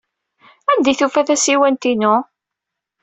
Anda ay tufa tasiwant-inu?